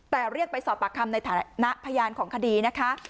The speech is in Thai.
แต่เรียกไปสอบปากคำในฐานะพยานของคดีนะคะ